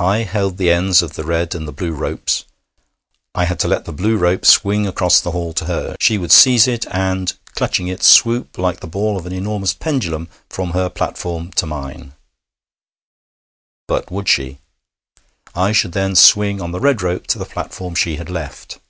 I held the ends of the red and the blue ropes. I had to let the blue rope swing across the hall to her. She would seize it, and, clutching it, swoop like the ball of an enormous pendulum from her platform to mine. (But would she?) I should then swing on the red rope to the platform she had left.